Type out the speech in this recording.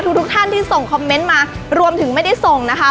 ทุกท่านที่ส่งคอมเมนต์มารวมถึงไม่ได้ส่งนะคะ